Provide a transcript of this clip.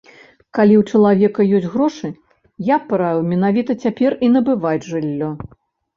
Калі ў чалавека ёсць грошы, я б параіў менавіта цяпер і набываць жыллё.